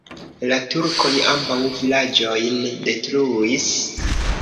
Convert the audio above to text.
La turkoj ambaŭ vilaĝojn detruis.